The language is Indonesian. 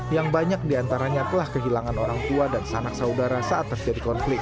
yang banyak diantaranya telah kehilangan orang tua dan sanak saudara saat terjadi konflik